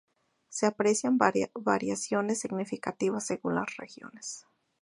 Se aprecian variaciones significativas según las regiones.